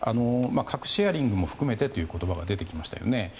核シェアリングも含めてという言葉が出てきましたよね